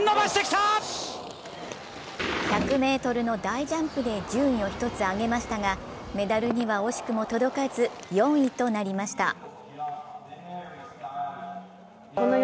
１００ｍの大ジャンプで順位を１つ上げましたが、メダルには惜しくも届かず４位となりました。